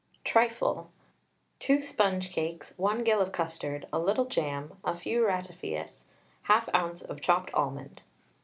TRIFLE. 2 sponge cakes, 1 gill of custard, a little jam, a few ratafias, 1/2 oz. of chopped almond.